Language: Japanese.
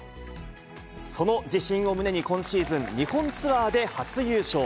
その自信を胸に、今シーズン、日本ツアーで初優勝。